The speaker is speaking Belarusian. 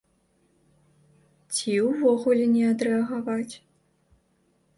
Ці ўвогуле не адрэагаваць.